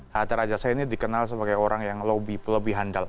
hatta rajasa ini dikenal sebagai orang yang lebih handal